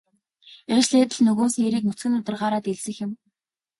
Ээлжлээд л нөгөө сээрийг нүцгэн нударгаараа дэлсэх юм.